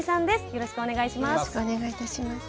よろしくお願いします。